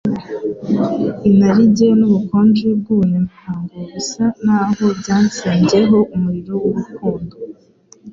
Inarijye n'ubukonje bw'ubunyamihango bisa n'aho byatsembyeho umurimo w'urukundo